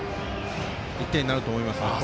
１点になると思います。